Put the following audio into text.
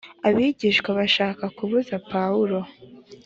abigishwa bashaka kubuza pawulo